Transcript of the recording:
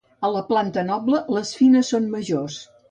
A la planta noble les fines són majors.